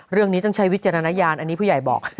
เรื่องนี้ต้องใช้วิจารณญาณอันนี้ผู้ใหญ่บอก